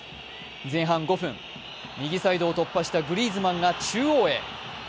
前半５分、右サイドを突破したグリーズマンが中央へ。